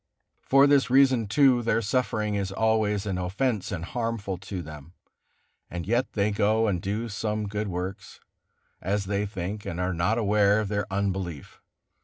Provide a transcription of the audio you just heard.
For this reason, too, their suffering is always an offence and harmful to them, and yet they go and do some good works, as they think, and are not aware of their unbelief.